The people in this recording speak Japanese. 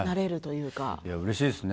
うれしいですね。